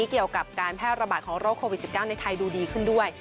เกี่ยวกับการแพร่ระบาดของโรคโควิด๑๙ในไทยดูดีขึ้นด้วย